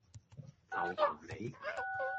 就憑你?